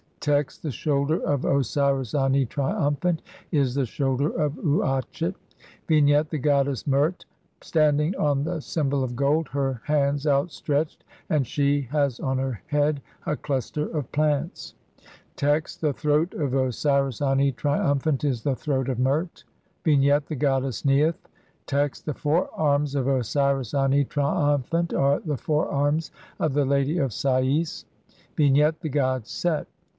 Text : (9) The shoulder of Osiris Ani, triumphant, is the shoulder of Uatchet. Vignette : The goddess Mert standing on the symbol of gold ; her hands are outstretched, and she has on her head a cluster of plants. Text : (10) The throat of Osiris Ani, triumphant, is the throat of Mert. Vignette : The goddess Neith. Text: (11) The fore arms of Osiris Ani, triumphant, are the fore arms of the lady of Sa'fs. Vignette : The god Set.